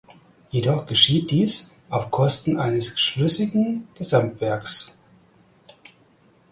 Jedoch geschieht dies auf Kosten eines schlüssigen Gesamtwerks.